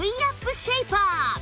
シェイパー